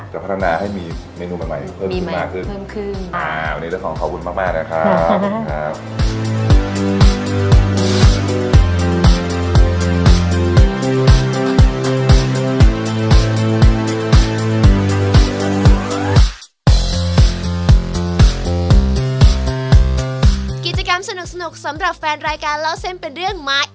จะพัฒนาให้มีเมนูใหม่เพิ่มขึ้นมาขึ้น